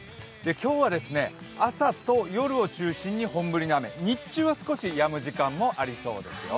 今日は朝と夜を中心に本降りの雨、日中は少しやむ時間もありそうですよ。